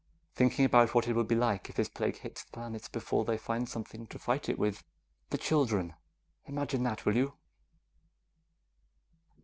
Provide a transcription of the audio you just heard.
I'm thinking about what it will be like if this plague hits the planets before they find something to fight it with. The children ... imagine that, will you?"